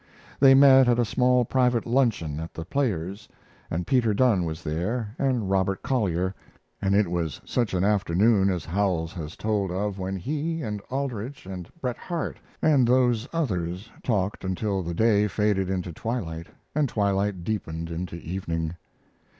They met at a small private luncheon at The Players, and Peter Dunne was there, and Robert Collier, and it was such an afternoon as Howells has told of when he and Aldrich and Bret Harte and those others talked until the day faded into twilight, and twilight deepened into evening.